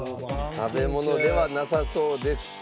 食べ物ではなさそうです。